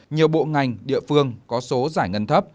nhiều bộ ngành địa phương có số giải ngân thấp